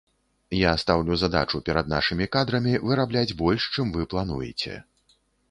Я стаўлю задачу перад нашымі кадрамі вырабляць больш, чым вы плануеце.